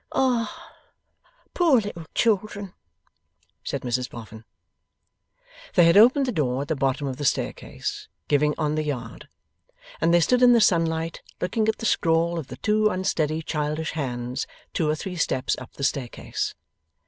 'Ah, poor little children!' said Mrs Boffin. They had opened the door at the bottom of the staircase giving on the yard, and they stood in the sunlight, looking at the scrawl of the two unsteady childish hands two or three steps up the staircase.